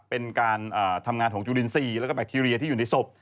เป็นการทำงานของจุลินทรีย์แล้วก็แบคทีเรียที่อยู่ในศพ